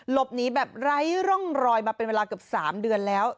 หลบหนีแบบไร้ร่องรอยมาเป็นเวลาเกือบ๓เดือนแล้ว